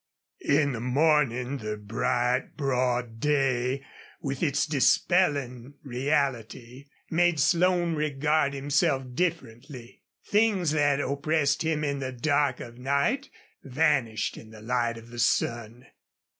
In the morning the bright, broad day, with its dispelling reality, made Slone regard himself differently. Things that oppressed him in the dark of night vanished in the light of the sun.